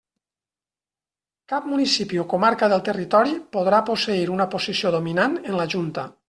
Cap municipi o comarca del territori podrà posseir una posició dominant en la Junta.